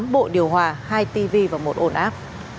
tám bộ điều hòa hai tivi và một ổn áp